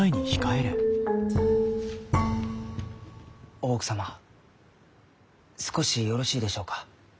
大奥様少しよろしいでしょうか？